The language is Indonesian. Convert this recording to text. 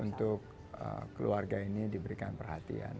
untuk keluarga ini diberikan perhatian